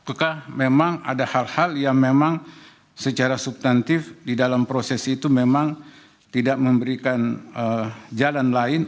apakah memang ada hal hal yang memang secara subtantif di dalam proses itu memang tidak memberikan jalan lain